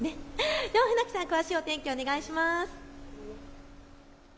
では船木さん、詳しい天気をお願いします。